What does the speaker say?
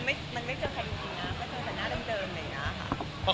มันก็ยังไม่เจอใครดูเลยนะมันเจนจากหน้าตังดินเลยนะค่ะ